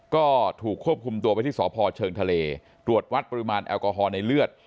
ก็ถูกควบคุมตัวไปที่สพเชิงทะเลตรวจวัดปริมาณแอลกอฮอล์ในเลือด